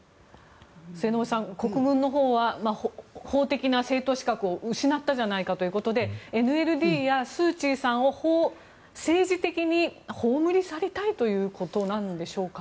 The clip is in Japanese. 末延さん、国軍のほうは法的な政党資格を失ったじゃないかということでＮＬＤやスーチーさんを政治的に葬り去りたいということなんでしょうか。